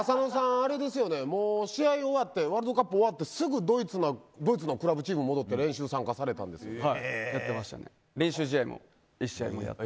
浅野さん、試合終わってワールドカップ終わってすぐドイツのクラブチームに戻って練習試合も１試合ありました。